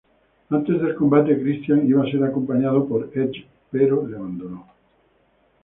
Antes del combate Christian iba a ser acompañado por Edge pero le abandono.